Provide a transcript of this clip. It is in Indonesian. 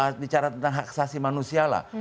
kita bicara tentang hak asasi manusia lah